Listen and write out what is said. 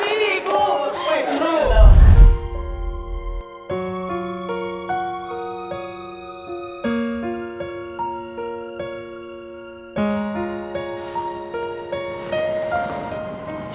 pada cinta yang datang